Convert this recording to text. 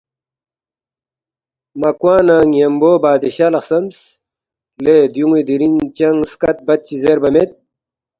مہ کوا نہ ن٘یمبو بادشاہ لہ خسمس، ”لے دیُون٘ی دِرِنگ چنگ سکت بت چی زیربا مید